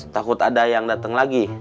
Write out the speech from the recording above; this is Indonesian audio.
takut ada yang datang lagi